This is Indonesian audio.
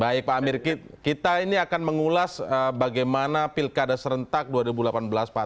baik pak amirki kita ini akan mengulas bagaimana pilkada serentak dua ribu delapan belas pak